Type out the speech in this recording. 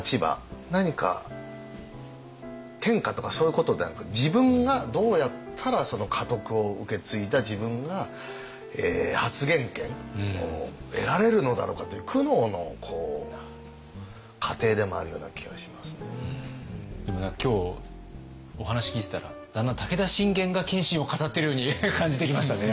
何か天下とかそういうことではなく自分がどうやったら家督を受け継いだ自分が発言権を得られるのだろうかというでも何か今日お話聞いてたらだんだん武田信玄が謙信を語っているように感じてきましたね。